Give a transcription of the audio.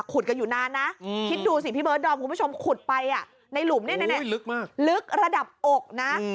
กันอยู่นานนะคิดดูสิพี่เบิร์ดดอมคุณผู้ชมขุดไปในหลุมเนี่ยลึกมากลึกระดับอกนะ